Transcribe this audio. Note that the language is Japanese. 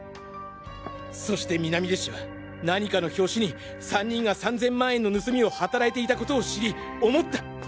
そして南出氏は何かの拍子に３人が３０００万円の盗みをはたらいていた事を知り思った！